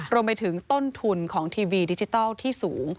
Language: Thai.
รวมไปถึงต้นทุนของทีวีดิจิทัลที่สูง